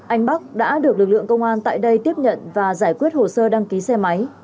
anh bắc đã được lực lượng công an tại đây tiếp nhận và giải quyết hồ sơ đăng ký xe máy